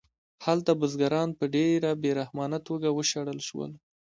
هلته بزګران په ډېره بې رحمانه توګه وشړل شول